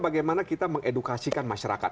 bagaimana kita mengedukasikan masyarakat